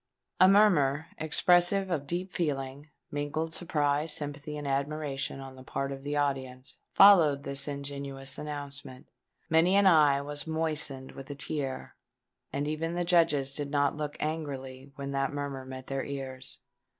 A murmur, expressive of deep feeling—mingled surprise, sympathy, and admiration—on the part of the audience, followed this ingenuous announcement. Many an eye was moistened with a tear; and even the Judges did not look angrily when that murmur met their ears.